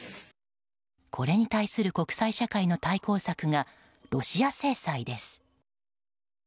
これに対する国際社会の対抗策がロシア制裁です。